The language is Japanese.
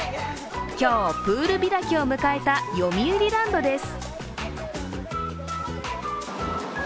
今日、プール開きを迎えた、よみうりランドです。